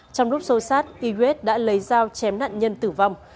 trong lúc sâu sát yigwet đã lấy dao chém nạn nhân tử vong